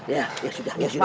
ya sudah ya sudah